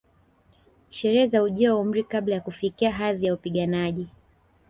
Sherehe za ujio wa umri kabla ya kufikia hadhi ya upiganaji